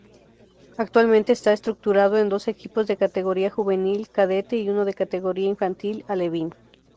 Actualmente está estructurado en dos equipos de categoría juvenil-cadete y uno de categoría infantil-alevín.